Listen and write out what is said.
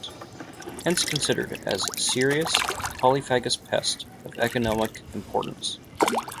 Hence considered as serious polyphagous pest of economic importance.